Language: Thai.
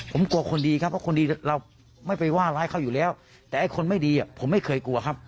ผมกลัวคนดีครับเพราะคนดีเราไม่ไปว่าร้ายเขาอยู่แล้วแต่ไอ้คนไม่ดีผมไม่เคยกลัวครับ